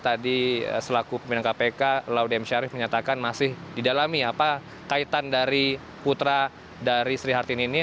jadi selaku pembina kpk laudem syarif menyatakan masih didalami kaitan putra dari sri hartini ini